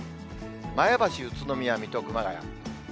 前橋、宇都宮、水戸、熊谷。